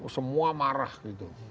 semua marah gitu